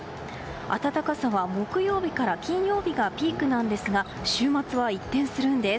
暖かさは木曜日から金曜日がピークなんですが週末は一転するんです。